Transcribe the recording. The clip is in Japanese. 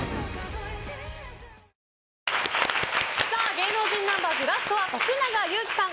芸能人ナンバーズラストは徳永ゆうきさん